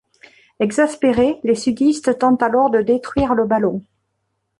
Exaspérés, les Sudistes tentent alors de détruire le ballon.